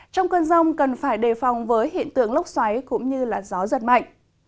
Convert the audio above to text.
trong cơn rông cần phải đề phòng với hiện tượng lốc xoáy cũng như gió giật mạnh